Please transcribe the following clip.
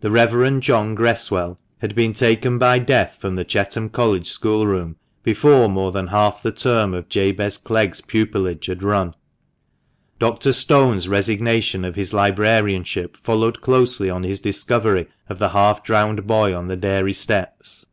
The Reverend John Gress well had been taken by Death from the Chetham College schoolroom before more than half the term of Jabez Clegg's pupilage had run. Dr. Stone's resignation of his librarianship followed closely on his discovery of the half drowned boy on the dairy steps.